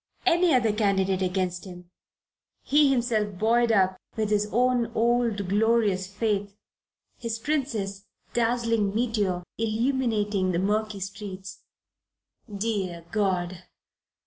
Any other candidate against him, he himself buoyed up with his own old glorious faith, his Princess, dazzling meteor illuminating the murky streets dear God!